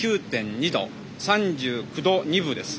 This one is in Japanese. ３９度２分です。